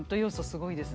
すごいですね。